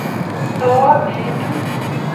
Tewo mieindo.